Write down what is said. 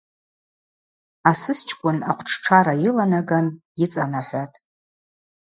Асысчкӏвын ахъвтштшара йыланаган йыцӏанахӏватӏ.